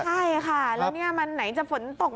ใช่ค่ะแล้วเนี่ยมันไหนจะฝนตก